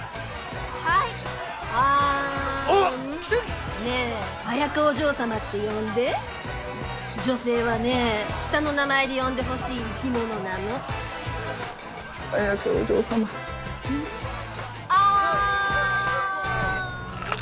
はいあーんあっキセキねえあやかお嬢様って呼んで女性はね下の名前で呼んでほしい生き物なのあやかお嬢様あん